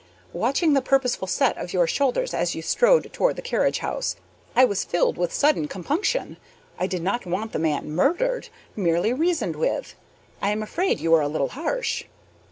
Watching the purposeful set of your shoulders as you strode toward the carriage house, I was filled with sudden compunction. I did not want the man murdered, merely reasoned with. I am afraid you were a little harsh.